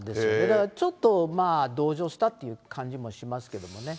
だからちょっと同情したっていう感じもしますけどね。